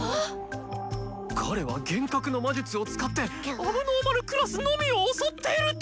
彼は幻覚の魔術を使って問題児クラスのみを襲っていると。